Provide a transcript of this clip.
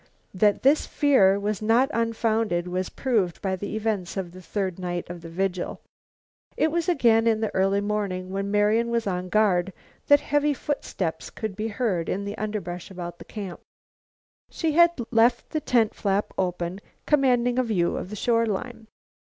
That this fear was not unfounded was proved by the events of the third night of vigil. It was again in the early morning when Marian was on guard, that heavy footsteps could be heard in the underbrush about the camp. She had left the tent flap open, commanding a view of the shore line.